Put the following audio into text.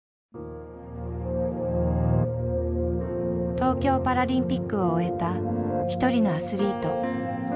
東京パラリンピックを終えたひとりのアスリート。